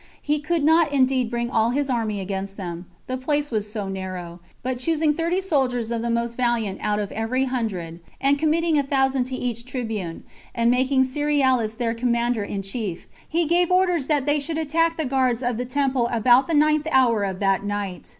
He could not indeed bring all his army against them, the place was so narrow; but choosing thirty soldiers of the most valiant out of every hundred, and committing a thousand to each tribune, and making Cerealis their commander in chief, he gave orders that they should attack the guards of the temple about the ninth hour of that night.